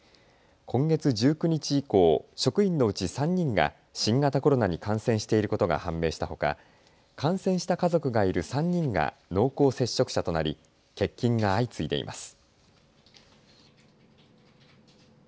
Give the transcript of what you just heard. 今月１９日以降、職員のうち３人が新型コロナに感染していることが判明したほか感染した家族がいる３人が濃厚接触者となり欠勤が相次いでいます。